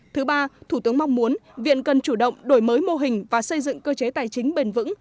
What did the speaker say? thứ ba thủ tướng mong muốn viện cần chủ động đổi mới mô hình và xây dựng cơ chế tài chính bền vững